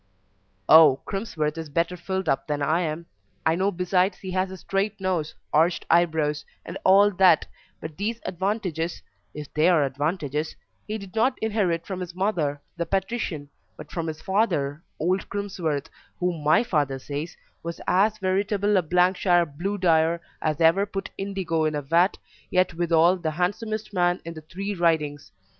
"Oh, Crimsworth is better filled up than I am, I know besides he has a straight nose, arched eyebrows, and all that; but these advantages if they are advantages he did not inherit from his mother, the patrician, but from his father, old Crimsworth, who, MY father says, was as veritable a shire blue dyer as ever put indigo in a vat yet withal the handsomest man in the three Ridings.